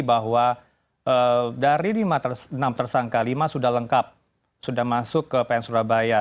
bahwa dari enam tersangka lima sudah lengkap sudah masuk ke pn surabaya